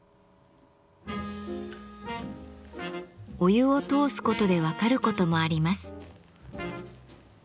お湯を通すことで分かることもあります。